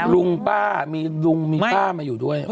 ลุงป้ามีลุงมีป้ามาอยู่ด้วย